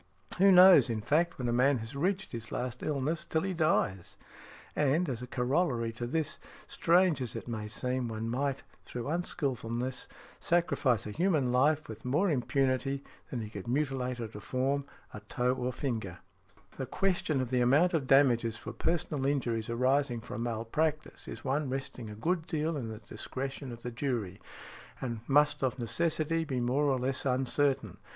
Who knows, in fact, when a man has reached his last illness until he dies? And, as a corollary to this, strange as it may seem, one might, through unskilfulness, sacrifice a human life with more impunity than he could mutilate or deform a toe or a finger" . The question of the amount of damages for personal injuries arising from malpractice is one resting a good deal in the discretion of the jury, and must of necessity be more or less uncertain.